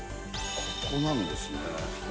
ここなんですね。